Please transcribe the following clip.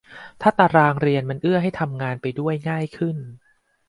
ถ้าตารางเรียนมันเอื้อให้ทำงานไปด้วยง่ายขึ้น